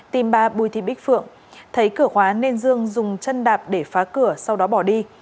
tìm bà bùi thị bích phượng thấy cửa khóa nên dương dùng chân đạp để phá cửa sau đó bỏ đi